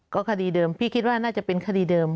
ก็คดีเดิมพี่คิดว่าน่าจะเป็นคดีเดิม